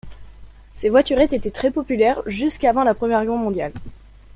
Ces voiturettes étaient très populaires jusqu'avant la première guerre mondiale.